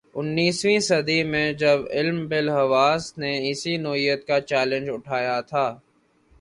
انیسویں صدی میں جب علم بالحواس نے اسی نوعیت کا چیلنج اٹھایا تھا۔